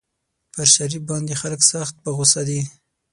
پر شريف باندې خلک سخت په غوسه دي.